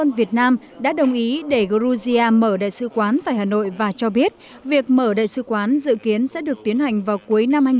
năm hai nghìn hai mươi một việt nam đã đồng ý để georgia mở đại sứ quán tại hà nội và cho biết việc mở đại sứ quán dự kiến sẽ được tiến hành vào cuối năm hai nghìn một mươi chín